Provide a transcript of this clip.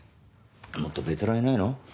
もっとベテランいないの？